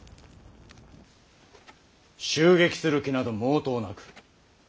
襲撃する気など毛頭なく。